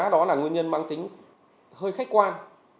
đó là nguyên nhân mang tính hơi khách quan